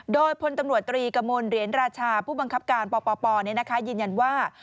โดยพลตำรวจตรีกระมวลเหรียญราชาผู้บังคับการปปยืนยันว่า